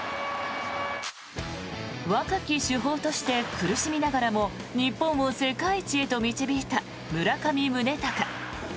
若き主砲として苦しみながらも日本を世界一へと導いた村上宗隆。